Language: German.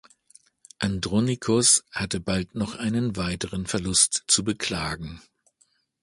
Andronikos hatte bald noch einen weiteren Verlust zu beklagen.